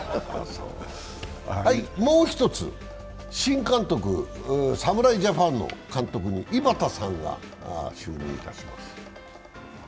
もう一つ新監督、侍ジャパンの監督に井端さんが就任いたします。